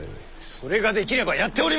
それができればやっております！